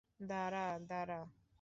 দাঁড়া, দাঁড়া।